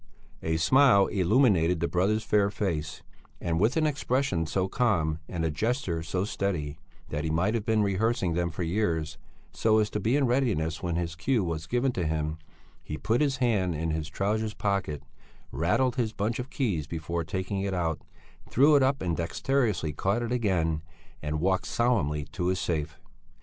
A smile illuminated the brother's fair face, and with an expression so calm and a gesture so steady, that he might have been rehearsing them for years, so as to be in readiness when his cue was given to him, he put his hand in his trousers pocket, rattled his bunch of keys before taking it out, threw it up and dexterously caught it again, and walked solemnly to his safe.